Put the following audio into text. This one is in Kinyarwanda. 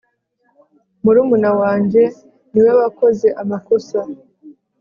Murumuna wanjye niwe wakoze amakosa